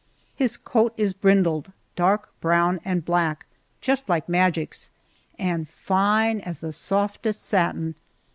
His coat is brindled, dark brown and black just like Magic's and fine as the softest satin.